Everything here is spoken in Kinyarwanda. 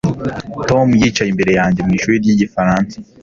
Tom yicaye imbere yanjye mu ishuri ryigifaransa